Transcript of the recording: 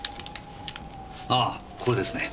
ああこれですね。